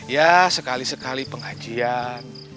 ya sekali sekali pengajian